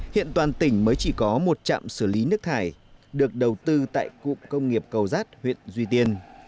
hiện toàn tỉnh mới chỉ có một trạm xử lý nước thải được đầu tư tại cụm công nghiệp cầu rát huyện duy tiên